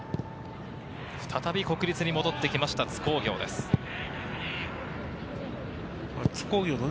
再び国立に戻ってきました津工業です。